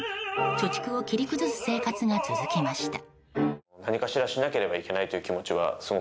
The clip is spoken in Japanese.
貯蓄を切り崩す生活が続きました。